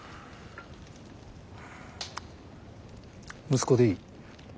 息子でいい。